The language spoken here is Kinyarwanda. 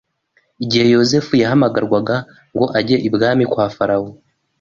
Igihe Yosefu yahamagarwaga ngo ajye ibwami kwa Farawo